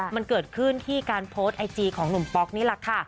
มันเกิดขึ้นที่การโพสต์ไอจีของหนุ่มป๊อกนี่แหละค่ะ